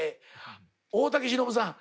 大竹しのぶさん